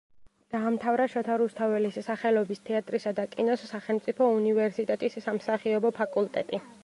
დაამთავრა შოთა რუსთაველის სახელობის თეატრისა და კინოს სახელმწიფო უნივერსიტეტის სამსახიობო ფაკულტეტი.